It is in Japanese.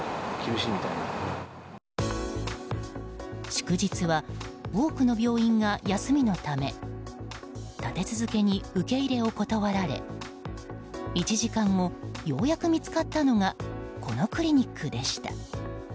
祝日は多くの病院が休みのため立て続けに受け入れを断られ１時間後ようやく見つかったのがこのクリニックでした。